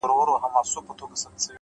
د ژوند ارزښت په نښه پرېښودلو کې دی,